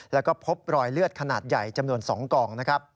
และก็พบรอยเลือดขนาดใหญ่จำนวน๒กล่อง